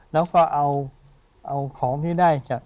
แล้วก็เอาของที่ได้จาก